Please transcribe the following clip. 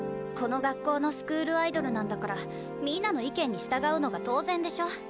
この学校のスクールアイドルなんだからみんなの意見に従うのが当然でしょ。